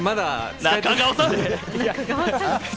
中川さん。